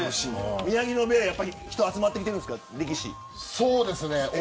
宮城野部屋は人が集まってきてるんですか。